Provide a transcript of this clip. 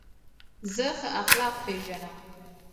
زه ښه اخلاق پېژنم.